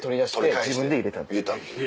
自分で入れた。